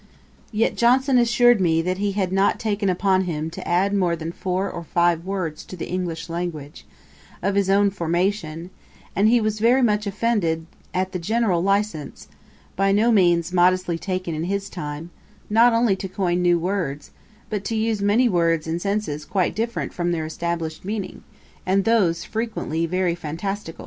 Yet Johnson assured me, that he had not taken upon him to add more than four or five words to the English language, of his own formation; and he was very much offended at the general licence, by no means 'modestly taken' in his time, not only to coin new words, but to use many words in senses quite different from their established meaning, and those frequently very fantastical.